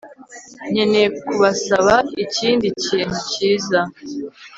Nkeneye kubasaba ikindi kintu cyiza